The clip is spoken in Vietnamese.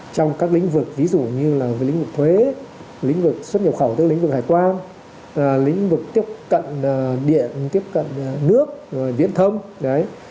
trong các lĩnh vực ví dụ như là lĩnh vực thuế lĩnh vực xuất nhập khẩu tức lĩnh vực hải quan lĩnh vực tiếp cận điện tiếp cận nước viễn thông